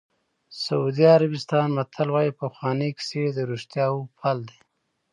د سعودي عربستان متل وایي پخوانۍ کیسې د رښتیاوو پل دی.